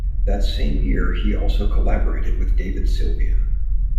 That same year, he also collaborated with David Sylvian.